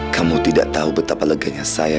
kamu tidak tahu betapa leganya saya